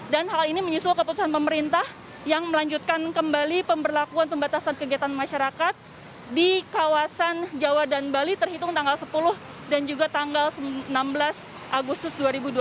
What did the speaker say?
dan hal ini menyusul keputusan pemerintah yang melanjutkan kembali pemberlakuan pembatasan kegiatan masyarakat di kawasan jawa dan bali terhitung tanggal sepuluh dan juga tanggal enam belas agustus dua ribu dua puluh satu